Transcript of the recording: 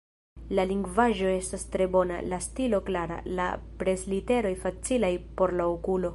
La lingvaĵo estas tre bona, la stilo klara, la presliteroj facilaj por la okulo.